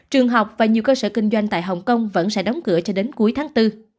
trường học và nhiều cơ sở kinh doanh tại hồng kông vẫn sẽ đóng cửa cho đến cuối tháng bốn